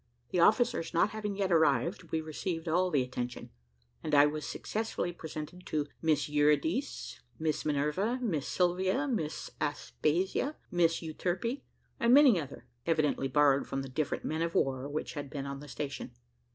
The officers not having yet arrived we received all the attention, and I was successively presented to Miss Eurydice, Miss Minerva, Miss Sylvia, Miss Aspasia, Miss Euterpe, and many other, evidently borrowed from the different men of war which had been on the station.